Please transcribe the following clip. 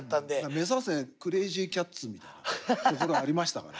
目指せクレイジーキャッツみたいなところありましたから。